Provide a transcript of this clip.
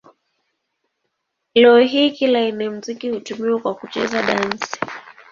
Leo hii kila aina ya muziki hutumiwa kwa kucheza dansi.